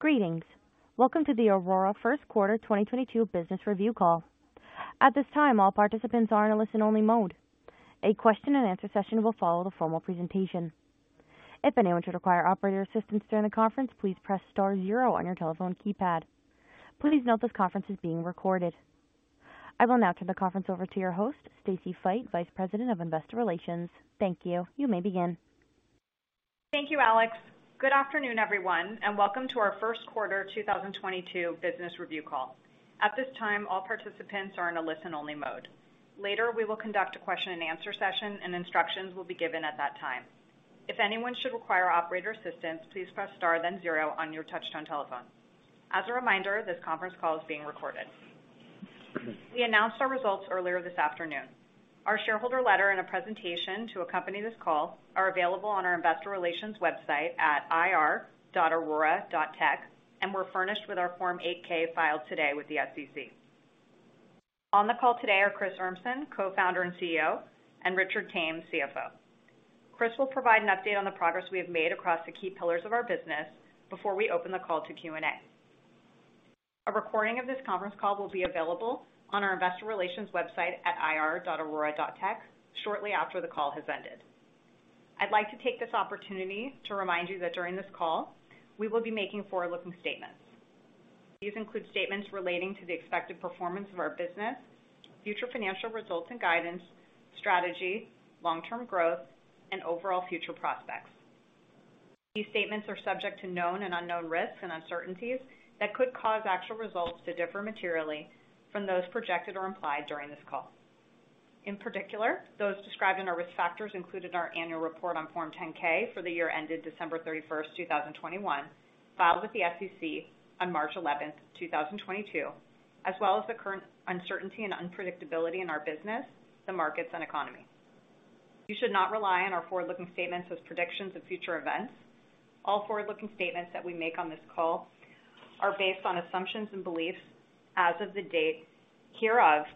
Greetings. Welcome to the Aurora first quarter 2022 business review call. At this time, all participants are in a listen-only mode. A question and answer session will follow the formal presentation. If anyone should require operator assistance during the conference, please press star zero on your telephone keypad. Please note this conference is being recorded. I will now turn the conference over to your host, Stacy Feit, Vice President of Investor Relations. Thank you. You may begin. Thank you, Alex. Good afternoon, everyone, and welcome to our first quarter 2022 business review call. At this time, all participants are in a listen-only mode. Later, we will conduct a question and answer session and instructions will be given at that time. If anyone should require operator assistance, please press star then zero on your touchtone telephone. As a reminder, this conference call is being recorded. We announced our results earlier this afternoon. Our shareholder letter and a presentation to accompany this call are available on our Investor Relations website at ir.aurora.tech and were furnished with our Form 8-K filed today with the SEC. On the call today are Chris Urmson, Co-founder and CEO, and Richard Tame, CFO. Chris will provide an update on the progress we have made across the key pillars of our business before we open the call to Q&A. A recording of this conference call will be available on our Investor Relations website at ir.aurora.tech shortly after the call has ended. I'd like to take this opportunity to remind you that during this call we will be making forward-looking statements. These include statements relating to the expected performance of our business, future financial results and guidance, strategy, long-term growth, and overall future prospects. These statements are subject to known and unknown risks and uncertainties that could cause actual results to differ materially from those projected or implied during this call. In particular, those described in our risk factors included in our annual report on Form 10-K for the year ended December 31, 2021, filed with the SEC on March 11, 2022, as well as the current uncertainty and unpredictability in our business, the markets and economy. You should not rely on our forward-looking statements as predictions of future events. All forward-looking statements that we make on this call are based on assumptions and beliefs as of the date hereof.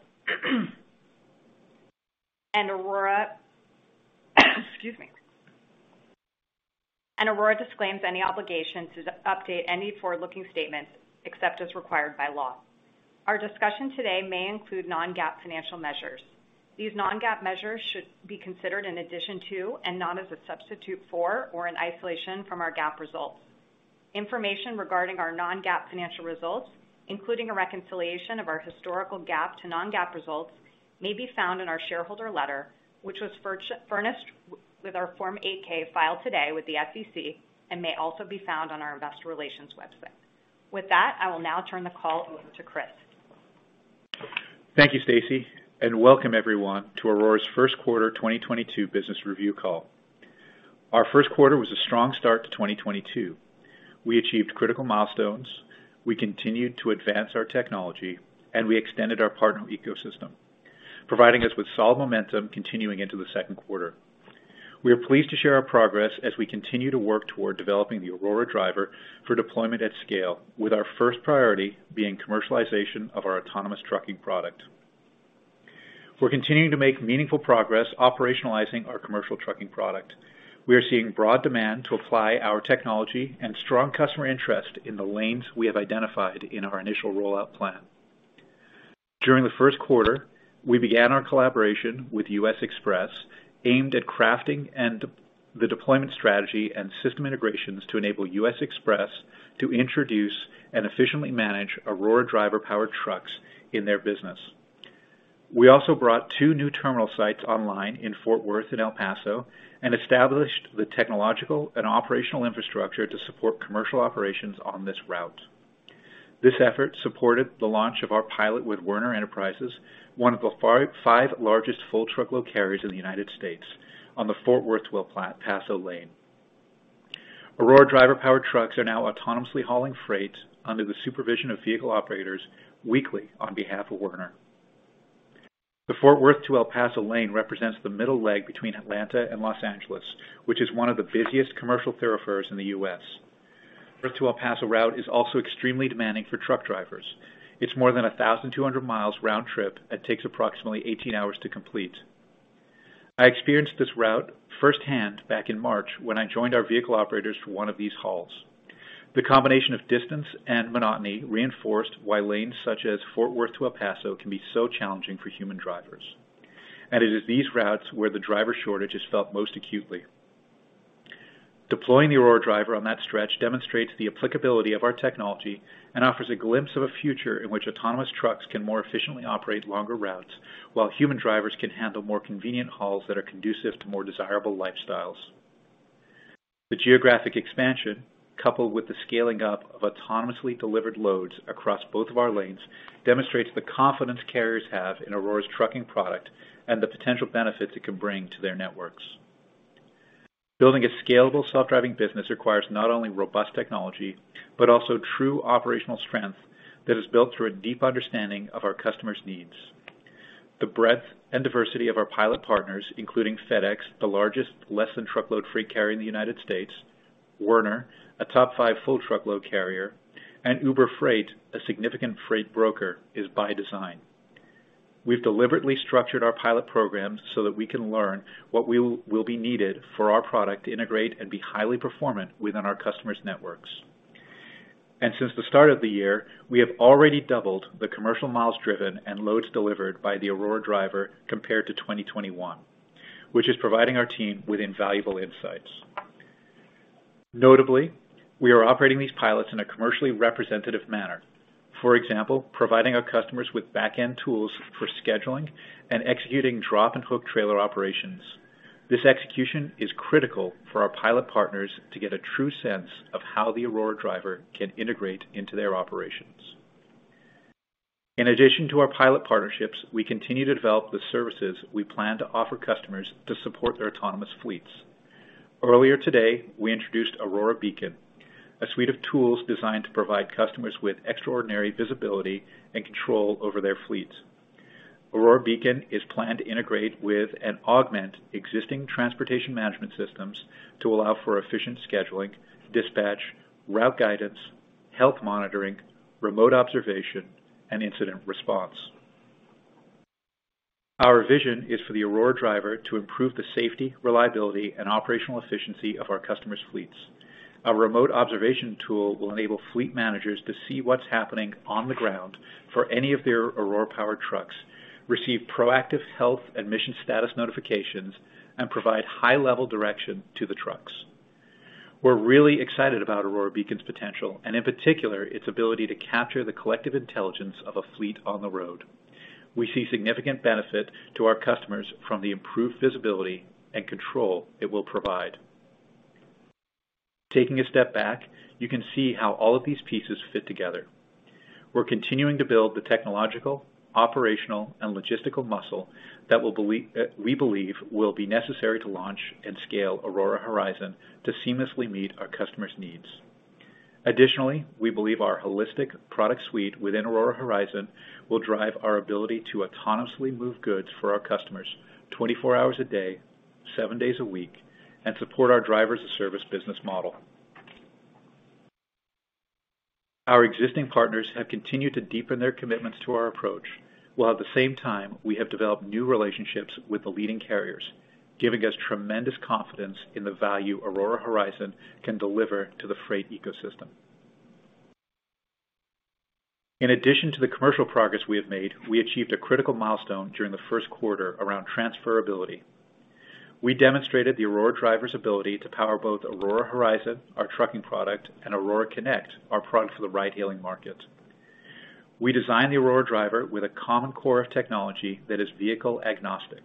Aurora disclaims any obligation to update any forward-looking statements except as required by law. Our discussion today may include non-GAAP financial measures. These non-GAAP measures should be considered in addition to and not as a substitute for or in isolation from our GAAP results. Information regarding our non-GAAP financial results, including a reconciliation of our historical GAAP to non-GAAP results, may be found in our shareholder letter, which was furnished with our Form 8-K filed today with the SEC and may also be found on our Investor Relations website. With that, I will now turn the call over to Chris. Thank you, Stacy, and welcome everyone to Aurora's first quarter 2022 business review call. Our first quarter was a strong start to 2022. We achieved critical milestones, we continued to advance our technology, and we extended our partner ecosystem, providing us with solid momentum continuing into the second quarter. We are pleased to share our progress as we continue to work toward developing the Aurora Driver for deployment at scale, with our first priority being commercialization of our autonomous trucking product. We're continuing to make meaningful progress operationalizing our commercial trucking product. We are seeing broad demand to apply our technology and strong customer interest in the lanes we have identified in our initial rollout plan. During the first quarter, we began our collaboration with U.S. Xpress, aimed at crafting the deployment strategy and system integrations to enable U.S. Xpress to introduce and efficiently manage Aurora Driver-powered trucks in their business. We also brought two new terminal sites online in Fort Worth and El Paso and established the technological and operational infrastructure to support commercial operations on this route. This effort supported the launch of our pilot with Werner Enterprises, one of the five largest full truckload carriers in the United States on the Fort Worth to El Paso lane. Aurora Driver-powered trucks are now autonomously hauling freight under the supervision of vehicle operators weekly on behalf of Werner. The Fort Worth to El Paso lane represents the middle leg between Atlanta and Los Angeles, which is one of the busiest commercial thoroughfares in the U.S. Fort Worth to El Paso route is also extremely demanding for truck drivers. It's more than 1,200 miles round trip that takes approximately 18 hours to complete. I experienced this route firsthand back in March when I joined our vehicle operators for one of these hauls. The combination of distance and monotony reinforced why lanes such as Fort Worth to El Paso can be so challenging for human drivers. It is these routes where the driver shortage is felt most acutely. Deploying the Aurora Driver on that stretch demonstrates the applicability of our technology and offers a glimpse of a future in which autonomous trucks can more efficiently operate longer routes while human drivers can handle more convenient hauls that are conducive to more desirable lifestyles. The geographic expansion, coupled with the scaling up of autonomously delivered loads across both of our lanes, demonstrates the confidence carriers have in Aurora's trucking product and the potential benefits it can bring to their networks. Building a scalable self-driving business requires not only robust technology, but also true operational strength that is built through a deep understanding of our customers' needs. The breadth and diversity of our pilot partners, including FedEx, the largest less than truckload freight carrier in the United States, Werner, a top five full truckload carrier, and Uber Freight, a significant freight broker, is by design. We've deliberately structured our pilot programs so that we can learn what will be needed for our product to integrate and be highly performant within our customers' networks. Since the start of the year, we have already doubled the commercial miles driven and loads delivered by the Aurora Driver compared to 2021, which is providing our team with invaluable insights. Notably, we are operating these pilots in a commercially representative manner. For example, providing our customers with back-end tools for scheduling and executing drop and hook trailer operations. This execution is critical for our pilot partners to get a true sense of how the Aurora Driver can integrate into their operations. In addition to our pilot partnerships, we continue to develop the services we plan to offer customers to support their autonomous fleets. Earlier today, we introduced Aurora Beacon, a suite of tools designed to provide customers with extraordinary visibility and control over their fleets. Aurora Beacon is planned to integrate with and augment existing transportation management systems to allow for efficient scheduling, dispatch, route guidance, health monitoring, remote observation, and incident response. Our vision is for the Aurora Driver to improve the safety, reliability and operational efficiency of our customer's fleets. A remote observation tool will enable fleet managers to see what's happening on the ground for any of their Aurora-powered trucks, receive proactive health and mission status notifications, and provide high-level direction to the trucks. We're really excited about Aurora Beacon's potential and, in particular, its ability to capture the collective intelligence of a fleet on the road. We see significant benefit to our customers from the improved visibility and control it will provide. Taking a step back, you can see how all of these pieces fit together. We're continuing to build the technological, operational, and logistical muscle that we believe will be necessary to launch and scale Aurora Horizon to seamlessly meet our customers' needs. Additionally, we believe our holistic product suite within Aurora Horizon will drive our ability to autonomously move goods for our customers 24 hours a day, seven days a week and support our Driver-as-a-Service business model. Our existing partners have continued to deepen their commitments to our approach, while at the same time we have developed new relationships with the leading carriers, giving us tremendous confidence in the value Aurora Horizon can deliver to the freight ecosystem. In addition to the commercial progress we have made, we achieved a critical milestone during the first quarter around transferability. We demonstrated the Aurora Driver's ability to power both Aurora Horizon, our trucking product, and Aurora Connect, our product for the ride-hailing market. We designed the Aurora Driver with a common core of technology that is vehicle agnostic.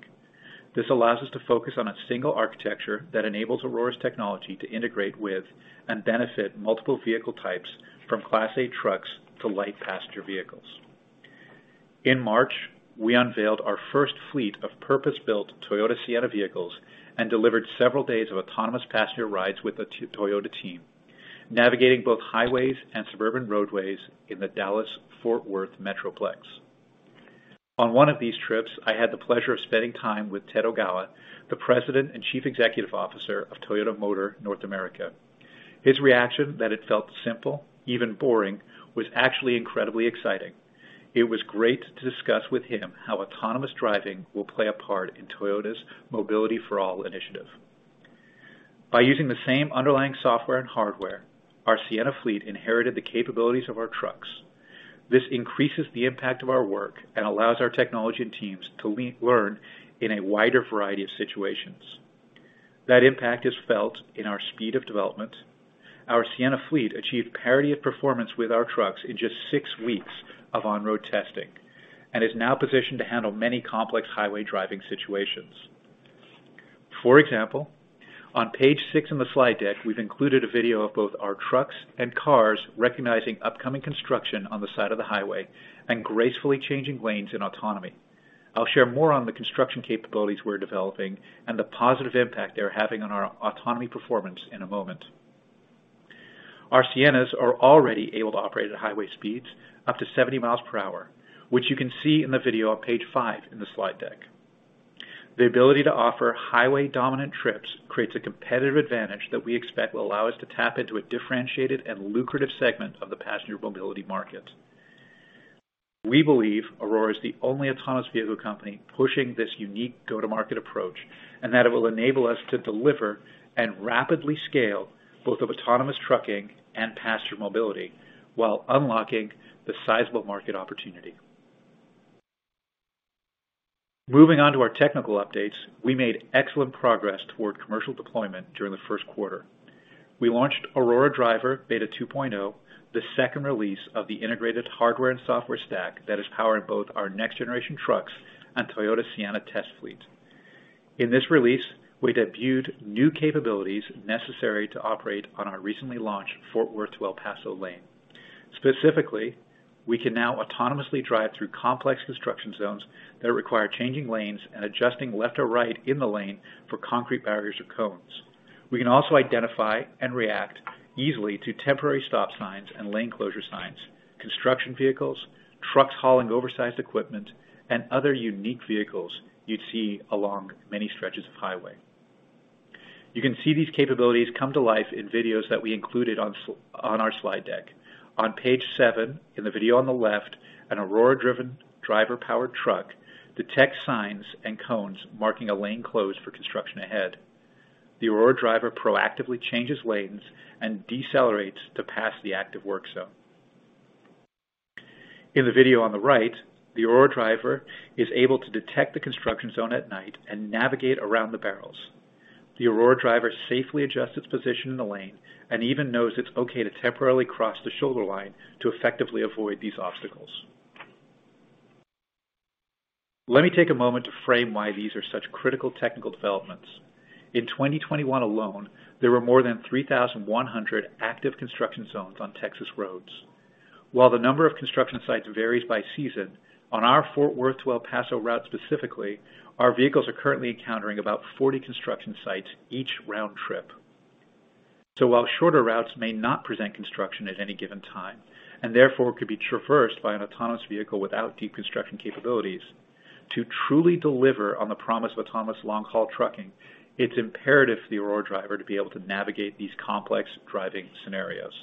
This allows us to focus on a single architecture that enables Aurora's technology to integrate with and benefit multiple vehicle types from Class 8 trucks to light passenger vehicles. In March, we unveiled our first fleet of purpose-built Toyota Sienna vehicles and delivered several days of autonomous passenger rides with the Toyota team, navigating both highways and suburban roadways in the Dallas-Fort Worth metroplex. On one of these trips, I had the pleasure of spending time with Ted Ogawa, the President and Chief Executive Officer of Toyota Motor, North America. His reaction that it felt simple, even boring, was actually incredibly exciting. It was great to discuss with him how autonomous driving will play a part in Toyota's Mobility for All initiative. By using the same underlying software and hardware, our Sienna fleet inherited the capabilities of our trucks. This increases the impact of our work and allows our technology and teams to learn in a wider variety of situations. That impact is felt in our speed of development. Our Sienna fleet achieved parity of performance with our trucks in just six weeks of on-road testing and is now positioned to handle many complex highway driving situations. For example, on page six in the slide deck, we've included a video of both our trucks and cars recognizing upcoming construction on the side of the highway and gracefully changing lanes in autonomy. I'll share more on the construction capabilities we're developing and the positive impact they are having on our autonomy performance in a moment. Our Siennas are already able to operate at highway speeds up to 70 miles per hour, which you can see in the video on page five in the slide deck. The ability to offer highway-dominant trips creates a competitive advantage that we expect will allow us to tap into a differentiated and lucrative segment of the passenger mobility market. We believe Aurora is the only autonomous vehicle company pushing this unique go-to-market approach, and that it will enable us to deliver and rapidly scale both of autonomous trucking and passenger mobility while unlocking the sizable market opportunity. Moving on to our technical updates. We made excellent progress toward commercial deployment during the first quarter. We launched Aurora Driver Beta 2.0, the second release of the integrated hardware and software stack that is powering both our next generation trucks and Toyota Sienna test fleet. In this release, we debuted new capabilities necessary to operate on our recently launched Fort Worth to El Paso lane. Specifically, we can now autonomously drive through complex construction zones that require changing lanes and adjusting left or right in the lane for concrete barriers or cones. We can also identify and react easily to temporary stop signs and lane closure signs, construction vehicles, trucks hauling oversized equipment, and other unique vehicles you'd see along many stretches of highway. You can see these capabilities come to life in videos that we included on our slide deck. On page seven, in the video on the left, an Aurora-driven, driver-powered truck detects signs and cones marking a lane closed for construction ahead. The Aurora Driver proactively changes lanes and decelerates to pass the active work zone. In the video on the right, the Aurora Driver is able to detect the construction zone at night and navigate around the barrels. The Aurora Driver safely adjusts its position in the lane and even knows it's okay to temporarily cross the shoulder line to effectively avoid these obstacles. Let me take a moment to frame why these are such critical technical developments. In 2021 alone, there were more than 3,100 active construction zones on Texas roads. While the number of construction sites varies by season, on our Fort Worth to El Paso route specifically, our vehicles are currently encountering about 40 construction sites each round trip. While shorter routes may not present construction at any given time, and therefore could be traversed by an autonomous vehicle without deconstruction capabilities, to truly deliver on the promise of autonomous long-haul trucking, it's imperative for the Aurora Driver to be able to navigate these complex driving scenarios.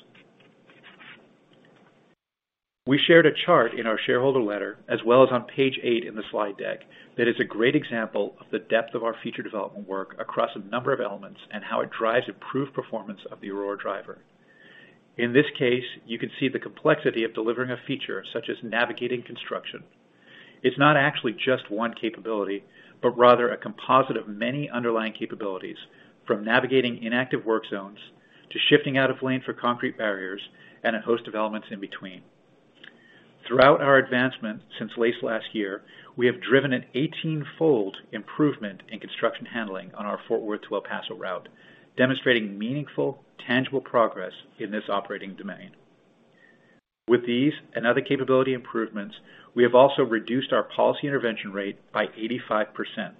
We shared a chart in our shareholder letter as well as on page eight in the slide deck that is a great example of the depth of our feature development work across a number of elements and how it drives improved performance of the Aurora Driver. In this case, you can see the complexity of delivering a feature such as navigating construction. It's not actually just one capability, but rather a composite of many underlying capabilities, from navigating inactive work zones to shifting out of lane for concrete barriers and a host of elements in between. Throughout our advancement since late last year, we have driven an 18-fold improvement in construction handling on our Fort Worth to El Paso route, demonstrating meaningful, tangible progress in this operating domain. With these and other capability improvements, we have also reduced our policy intervention rate by 85%.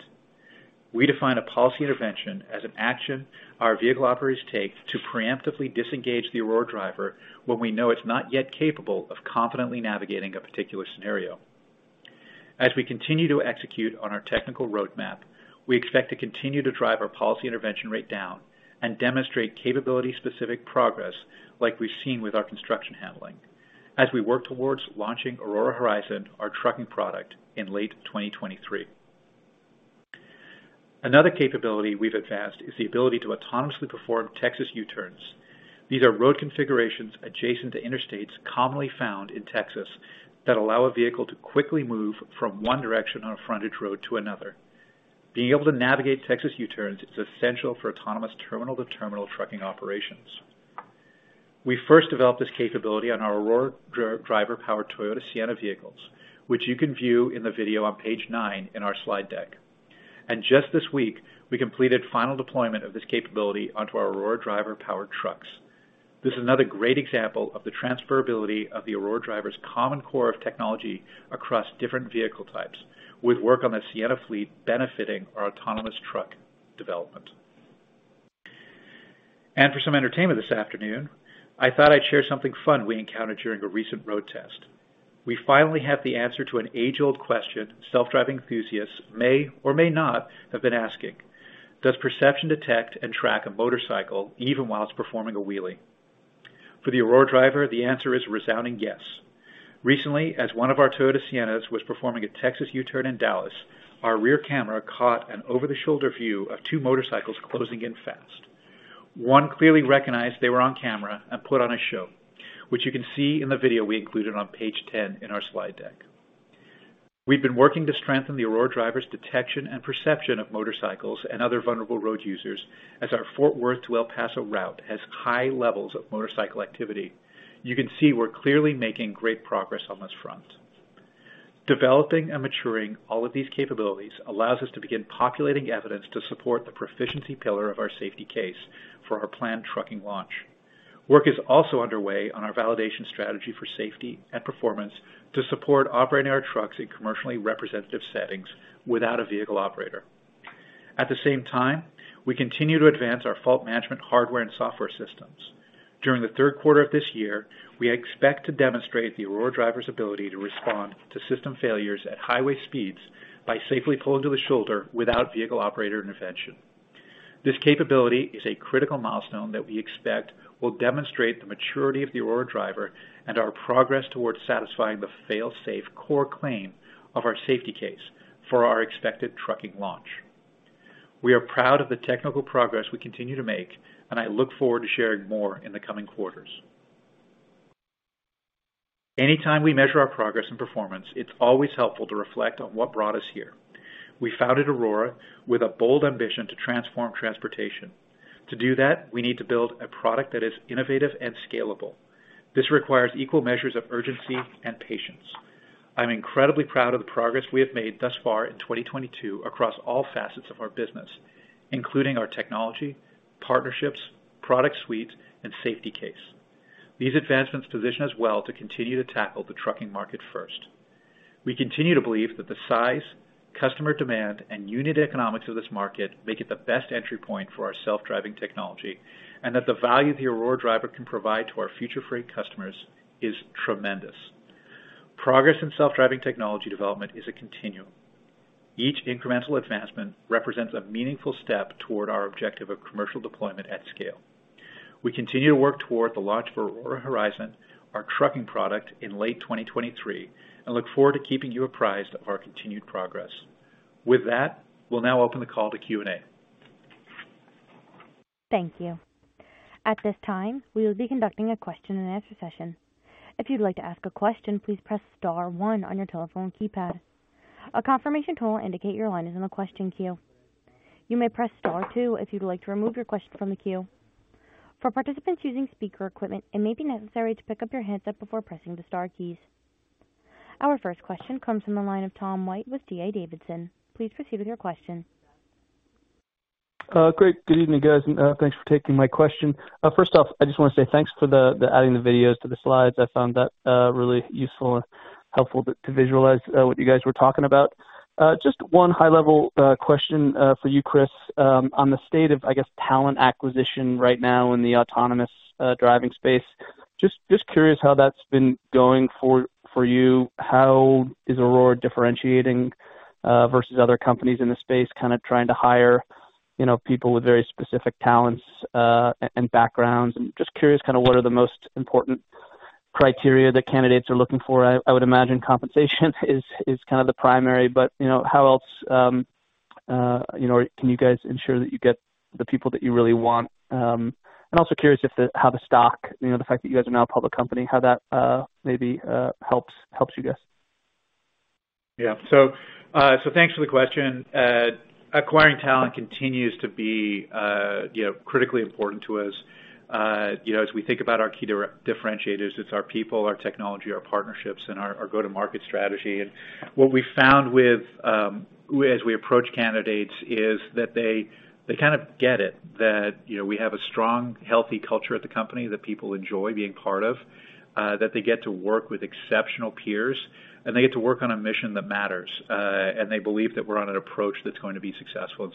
We define a policy intervention as an action our vehicle operators take to preemptively disengage the Aurora Driver when we know it's not yet capable of confidently navigating a particular scenario. As we continue to execute on our technical roadmap, we expect to continue to drive our policy intervention rate down and demonstrate capability-specific progress like we've seen with our construction handling as we work towards launching Aurora Horizon, our trucking product, in late 2023. Another capability we've advanced is the ability to autonomously perform Texas U-turns. These are road configurations adjacent to interstates commonly found in Texas that allow a vehicle to quickly move from one direction on a frontage road to another. Being able to navigate Texas U-turns is essential for autonomous terminal-to-terminal trucking operations. We first developed this capability on our Aurora Driver-powered Toyota Sienna vehicles, which you can view in the video on page nine in our slide deck. Just this week, we completed final deployment of this capability onto our Aurora Driver-powered trucks. This is another great example of the transferability of the Aurora Driver's common core of technology across different vehicle types with work on the Sienna fleet benefiting our autonomous truck development. For some entertainment this afternoon, I thought I'd share something fun we encountered during a recent road test. We finally have the answer to an age-old question self-driving enthusiasts may or may not have been asking. Does perception detect and track a motorcycle even while it's performing a wheelie? For the Aurora Driver, the answer is a resounding yes. Recently, as one of our Toyota Siennas was performing a Texas U-turn in Dallas, our rear camera caught an over-the-shoulder view of two motorcycles closing in fast. One clearly recognized they were on camera and put on a show, which you can see in the video we included on page 10 in our slide deck. We've been working to strengthen the Aurora Driver's detection and perception of motorcycles and other vulnerable road users as our Fort Worth to El Paso route has high levels of motorcycle activity. You can see we're clearly making great progress on this front. Developing and maturing all of these capabilities allows us to begin populating evidence to support the proficiency pillar of our safety case for our planned trucking launch. Work is also underway on our validation strategy for safety and performance to support operating our trucks in commercially representative settings without a vehicle operator. At the same time, we continue to advance our fault management hardware and software systems. During the third quarter of this year, we expect to demonstrate the Aurora Driver's ability to respond to system failures at highway speeds by safely pulling to the shoulder without vehicle operator intervention. This capability is a critical milestone that we expect will demonstrate the maturity of the Aurora Driver and our progress towards satisfying the fail-safe core claim of our Safety Case for our expected trucking launch. We are proud of the technical progress we continue to make, and I look forward to sharing more in the coming quarters. Anytime we measure our progress and performance, it's always helpful to reflect on what brought us here. We founded Aurora with a bold ambition to transform transportation. To do that, we need to build a product that is innovative and scalable. This requires equal measures of urgency and patience. I'm incredibly proud of the progress we have made thus far in 2022 across all facets of our business, including our technology, partnerships, product suites, and Safety Case. These advancements position us well to continue to tackle the trucking market first. We continue to believe that the size, customer demand, and unit economics of this market make it the best entry point for our self-driving technology, and that the value the Aurora Driver can provide to our future freight customers is tremendous. Progress in self-driving technology development is a continuum. Each incremental advancement represents a meaningful step toward our objective of commercial deployment at scale. We continue to work toward the launch of Aurora Horizon, our trucking product, in late 2023 and look forward to keeping you apprised of our continued progress. With that, we'll now open the call to Q&A. Thank you. At this time, we will be conducting a question and answer session. If you'd like to ask a question, please press star one on your telephone keypad. A confirmation tone will indicate your line is in the question queue. You may press star two if you'd like to remove your question from the queue. For participants using speaker equipment, it may be necessary to pick up your handset before pressing the star keys. Our first question comes from the line of Tom White with D.A. Davidson. Please proceed with your question. Great. Good evening, guys, and thanks for taking my question. First off, I just wanna say thanks for adding the videos to the slides. I found that really useful and helpful to visualize what you guys were talking about. Just one high level question for you, Chris. On the state of, I guess, talent acquisition right now in the autonomous driving space. Just curious how that's been going for you. How is Aurora differentiating versus other companies in the space kinda trying to hire, you know, people with very specific talents and backgrounds? Just curious kinda what are the most important criteria that candidates are looking for. I would imagine compensation is kind of the primary. You know, how else you know can you guys ensure that you get the people that you really want? I'm also curious how the stock, you know, the fact that you guys are now a public company, how that maybe helps you guys. Yeah, thanks for the question. Acquiring talent continues to be, you know, critically important to us. You know, as we think about our key differentiators, it's our people, our technology, our partnerships, and our go-to-market strategy. What we found, as we approach candidates is that they kind of get it that, you know, we have a strong, healthy culture at the company that people enjoy being part of, that they get to work with exceptional peers, and they get to work on a mission that matters. They believe that we're on an approach that's going to be successful.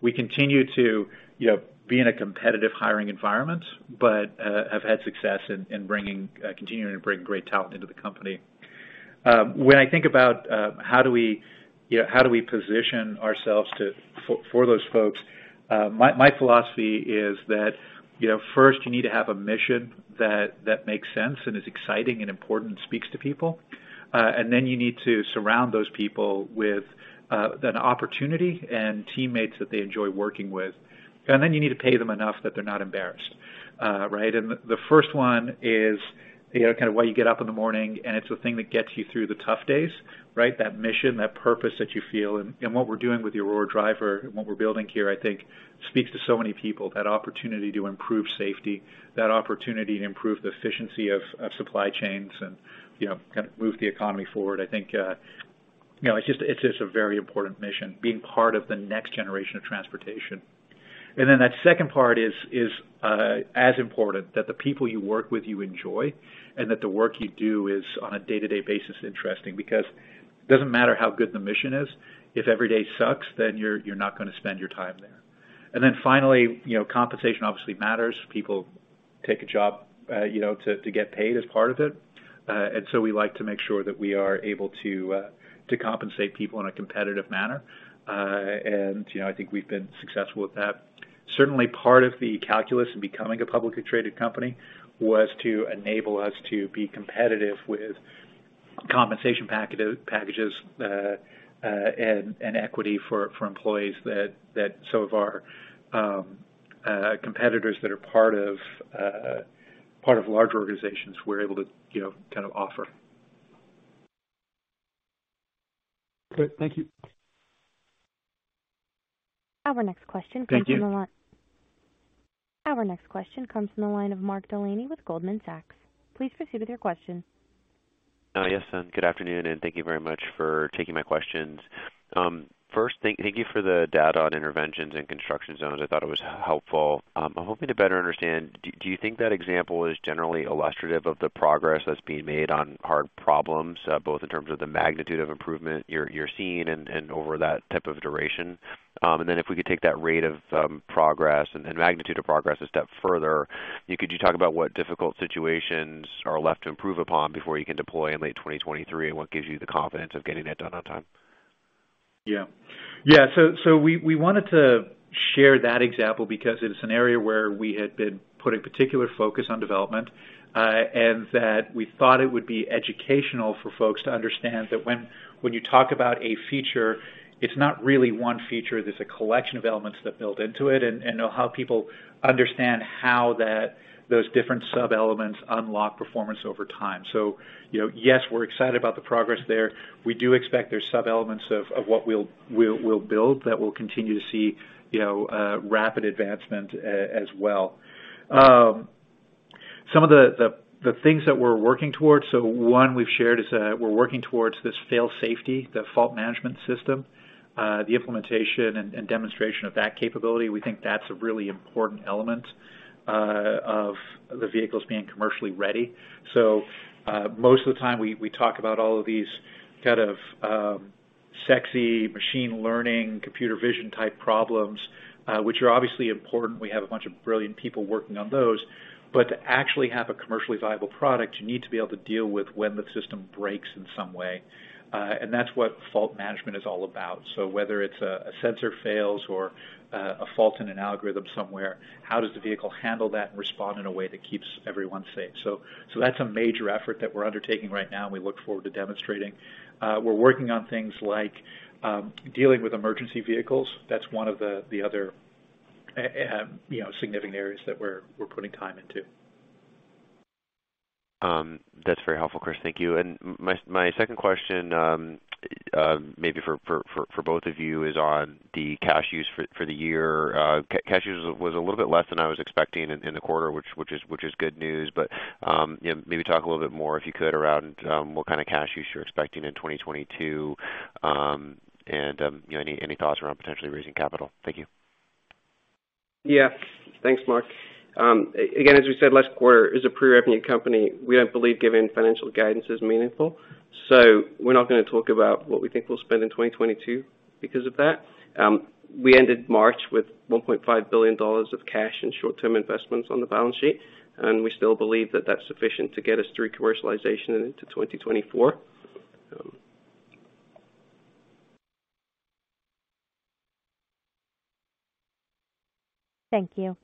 We continue to, you know, be in a competitive hiring environment, but have had success in continuing to bring great talent into the company. When I think about how we, you know, position ourselves for those folks, my philosophy is that, you know, first you need to have a mission that makes sense and is exciting and important, and speaks to people. Then you need to surround those people with an opportunity and teammates that they enjoy working with. Then you need to pay them enough that they're not embarrassed, right. The first one is, you know, kinda why you get up in the morning, and it's the thing that gets you through the tough days, right? That mission, that purpose that you feel. What we're doing with the Aurora Driver and what we're building here, I think speaks to so many people. That opportunity to improve safety, that opportunity to improve the efficiency of supply chains and, you know, kind of move the economy forward. I think, you know, it's just a very important mission, being part of the next generation of transportation. That second part is as important, that the people you work with, you enjoy, and that the work you do is on a day-to-day basis interesting. Because it doesn't matter how good the mission is, if every day sucks, then you're not gonna spend your time there. Finally, you know, compensation obviously matters. People take a job, you know, to get paid as part of it. We like to make sure that we are able to compensate people in a competitive manner. You know, I think we've been successful with that. Certainly, part of the calculus in becoming a publicly traded company was to enable us to be competitive with compensation packages and equity for employees that some of our competitors that are part of larger organizations we're able to, you know, kind of offer. Good. Thank you. Our next question comes from the line. Thank you. Our next question comes from the line of Mark Delaney with Goldman Sachs. Please proceed with your question. Yes. Good afternoon, and thank you very much for taking my questions. First, thank you for the data on interventions in construction zones. I thought it was helpful. I'm hoping to better understand, you think that example is generally illustrative of the progress that's being made on hard problems, both in terms of the magnitude of improvement you're seeing and over that type of duration? Then if we could take that rate of progress and magnitude of progress a step further, could you talk about what difficult situations are left to improve upon before you can deploy in late 2023, and what gives you the confidence of getting that done on time? Yeah, we wanted to share that example because it's an area where we had been putting particular focus on development, and that we thought it would be educational for folks to understand that when you talk about a feature, it's not really one feature. There's a collection of elements that build into it and how people understand how that those different sub-elements unlock performance over time. You know, yes, we're excited about the progress there. We do expect there's sub-elements of what we'll build that will continue to see, you know, rapid advancement as well. Some of the things that we're working towards, one we've shared is we're working towards this fail-safe, the fault management system, the implementation and demonstration of that capability. We think that's a really important element of the vehicles being commercially ready. Most of the time we talk about all of these kind of sexy machine learning, computer vision type problems, which are obviously important. We have a bunch of brilliant people working on those. To actually have a commercially viable product, you need to be able to deal with when the system breaks in some way. That's what fault management is all about. Whether it's a sensor fails or a fault in an algorithm somewhere, how does the vehicle handle that and respond in a way that keeps everyone safe? That's a major effort that we're undertaking right now, and we look forward to demonstrating. We're working on things like dealing with emergency vehicles. That's one of the other, you know, significant areas that we're putting time into. That's very helpful, Chris. Thank you. My second question, maybe for both of you, is on the cash use for the year. Cash use was a little bit less than I was expecting in the quarter, which is good news. You know, maybe talk a little bit more, if you could, around what kind of cash use you're expecting in 2022. You know, any thoughts around potentially raising capital. Thank you. Yeah. Thanks, Mark. Again, as we said last quarter, as a pre-revenue company, we don't believe giving financial guidance is meaningful. We're not gonna talk about what we think we'll spend in 2022 because of that. We ended March with $1.5 billion of cash and short-term investments on the balance sheet, and we still believe that that's sufficient to get us through commercialization and into 2024. Thank you.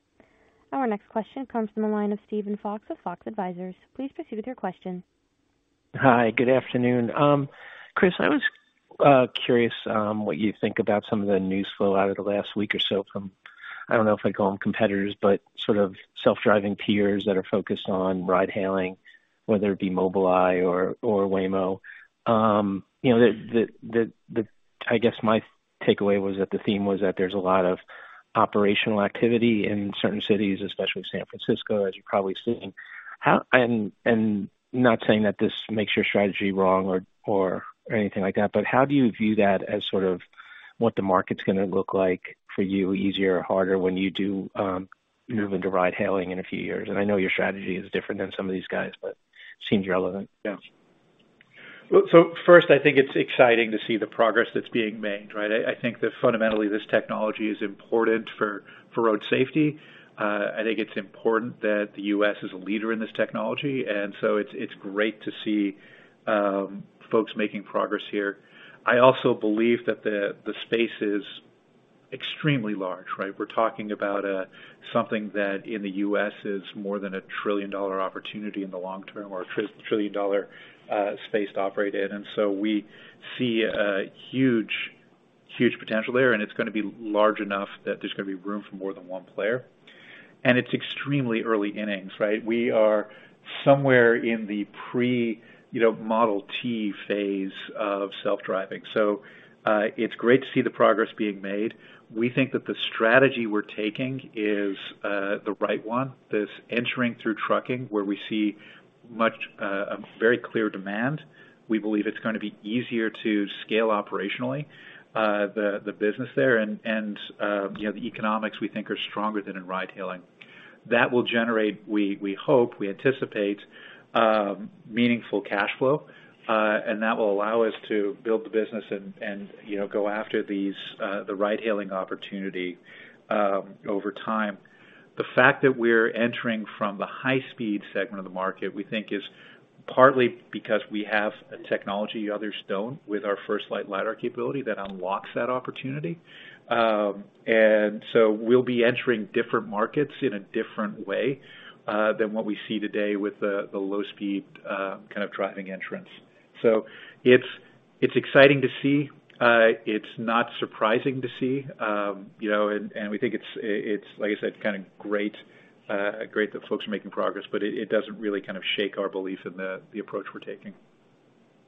Our next question comes from the line of Steven Fox of Fox Advisors. Please proceed with your question. Hi, good afternoon. Chris, I was curious what you think about some of the news flow out of the last week or so from, I don't know if I'd call them competitors, but sort of self-driving peers that are focused on ride hailing, whether it be Mobileye or Waymo. You know, I guess my takeaway was that the theme was that there's a lot of operational activity in certain cities, especially San Francisco, as you're probably seeing. Not saying that this makes your strategy wrong or anything like that, but how do you view that as sort of what the market's gonna look like for you, easier or harder, when you do move into ride hailing in a few years? I know your strategy is different than some of these guys, but seems relevant. Well, first, I think it's exciting to see the progress that's being made, right? I think that fundamentally this technology is important for road safety. I think it's important that the U.S. is a leader in this technology, and it's great to see folks making progress here. I also believe that the space is extremely large, right? We're talking about something that in the U.S. is more than a $1 trillion opportunity in the long term or a $3 trillion space to operate in. We see a huge potential there, and it's gonna be large enough that there's gonna be room for more than one player. It's extremely early innings, right? We are somewhere in the pre-Model T phase of self-driving. It's great to see the progress being made. We think that the strategy we're taking is the right one. This entering through trucking, where we see much a very clear demand. We believe it's gonna be easier to scale operationally the business there. You know, the economics we think are stronger than in ride-hailing. That will generate we hope we anticipate meaningful cash flow and that will allow us to build the business and you know go after these the ride-hailing opportunity over time. The fact that we're entering from the high-speed segment of the market, we think is partly because we have a technology others don't with our FirstLight Lidar capability that unlocks that opportunity. We'll be entering different markets in a different way than what we see today with the low speed kind of driving entrants. It's exciting to see. It's not surprising to see. You know, we think it's, like I said, kind of great that folks are making progress, but it doesn't really kind of shake our belief in the approach we're taking.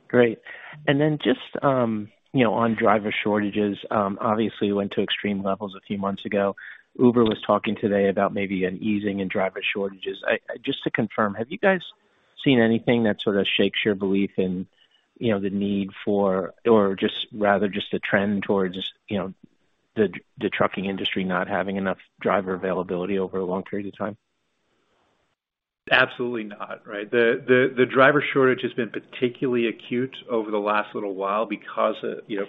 Great. Just, you know, on driver shortages, obviously went to extreme levels a few months ago. Uber was talking today about maybe an easing in driver shortages. Just to confirm, have you guys seen anything that sort of shakes your belief in, you know, the need for or just rather a trend towards, you know, the trucking industry not having enough driver availability over a long period of time? Absolutely not, right. The driver shortage has been particularly acute over the last little while because of, you know,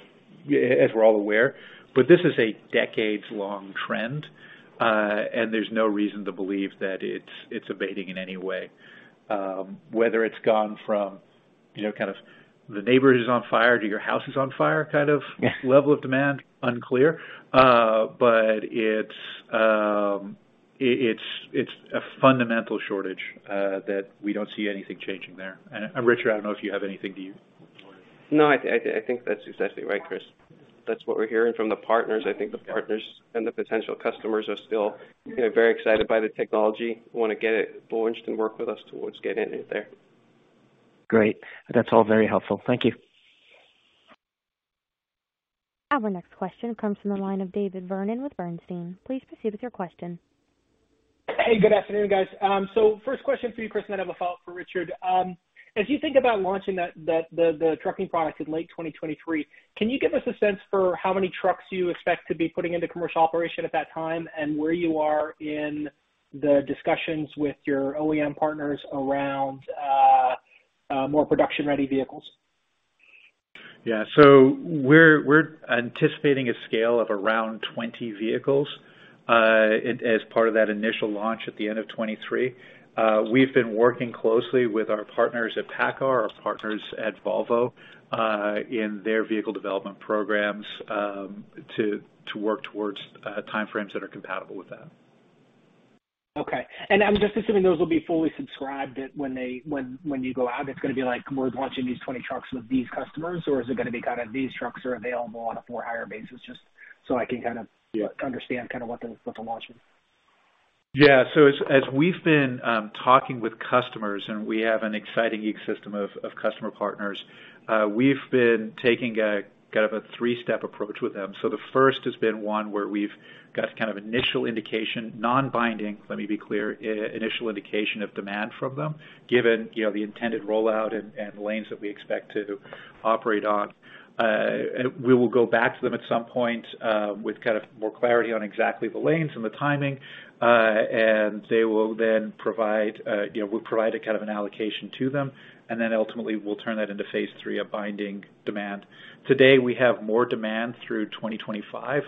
as we're all aware. This is a decades long trend, and there's no reason to believe that it's abating in any way. Whether it's gone from, you know, kind of the neighbor is on fire to your house is on fire kind of Yeah. Level of demand, unclear. It's a fundamental shortage that we don't see anything changing there. Richard, I don't know if you have anything to add. No, I think that's exactly right, Chris. That's what we're hearing from the partners. I think the partners and the potential customers are still, you know, very excited by the technology, wanna get it launched and work with us towards getting it there. Great. That's all very helpful. Thank you. Our next question comes from the line of David Vernon with Bernstein. Please proceed with your question. Hey, good afternoon, guys. First question for you, Chris, and then I have a follow-up for Richard. As you think about launching the trucking product in late 2023, can you give us a sense for how many trucks you expect to be putting into commercial operation at that time, and where you are in the discussions with your OEM partners around more production-ready vehicles? We're anticipating a scale of around 20 vehicles as part of that initial launch at the end of 2023. We've been working closely with our partners at PACCAR, our partners at Volvo, in their vehicle development programs, to work towards time frames that are compatible with that. Okay. I'm just assuming those will be fully subscribed when you go out. It's gonna be like we're launching these 20 trucks with these customers. Is it gonna be kind of these trucks are available on a for hire basis, just so I can kind of? Yeah. Understand kind of what the launch is. Yeah. As we've been talking with customers, and we have an exciting ecosystem of customer partners, we've been taking a kind of a three-step approach with them. The first has been one where we've got kind of initial indication, non-binding, let me be clear, initial indication of demand from them, given, you know, the intended rollout and lanes that we expect to operate on. And we will go back to them at some point with kind of more clarity on exactly the lanes and the timing. And they will then provide, you know, we'll provide a kind of an allocation to them, and then ultimately we'll turn that into phase three, a binding demand. Today, we have more demand through 2025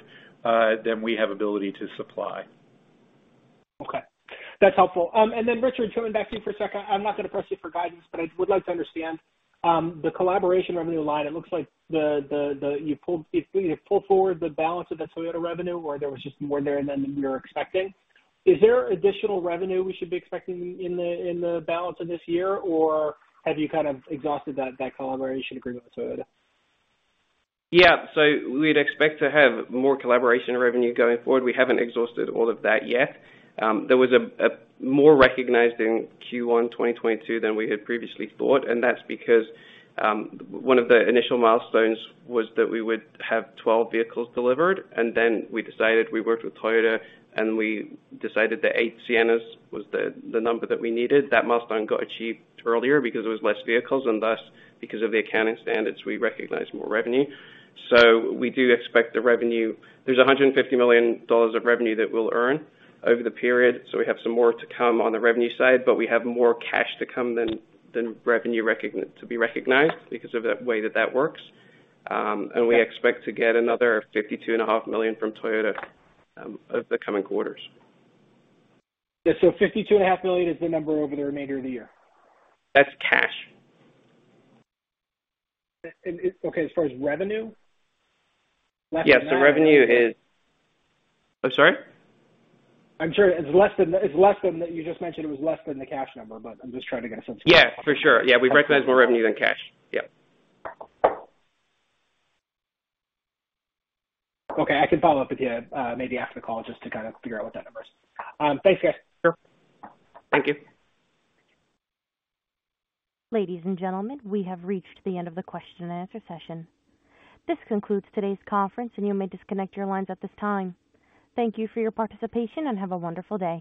than we have ability to supply. Okay, that's helpful. Richard, coming back to you for a second. I'm not gonna press you for guidance, but I would like to understand the collaboration revenue line. It looks like it's either pulled forward the balance of that Toyota revenue or there was just more there than you were expecting. Is there additional revenue we should be expecting in the balance of this year, or have you kind of exhausted that collaboration agreement with Toyota? Yeah. We'd expect to have more collaboration revenue going forward. We haven't exhausted all of that yet. There was a more recognized in Q1 2022 than we had previously thought, and that's because one of the initial milestones was that we would have 12 vehicles delivered. Then we decided, we worked with Toyota, and we decided that eight Siennas was the number that we needed. That milestone got achieved earlier because it was less vehicles and thus because of the accounting standards we recognize more revenue. We do expect the revenue. There's $150 million of revenue that we'll earn over the period, so we have some more to come on the revenue side, but we have more cash to come than revenue to be recognized because of the way that that works. We expect to get another $52.5 million from Toyota over the coming quarters. Yeah. $52.5 million is the number over the remainder of the year. That's cash. Okay, as far as revenue? Less than that? Yes. I'm sorry? I'm sure it's less than that. You just mentioned it was less than the cash number, but I'm just trying to get a sense. Yeah, for sure. Yeah. We recognize more revenue than cash. Yeah. Okay. I can follow up with you, maybe after the call just to kind of figure out what that number is. Thanks, guys. Sure. Thank you. Ladies and gentlemen, we have reached the end of the question and answer session. This concludes today's conference and you may disconnect your lines at this time. Thank you for your participation and have a wonderful day.